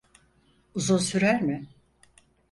Uzun sürer mi?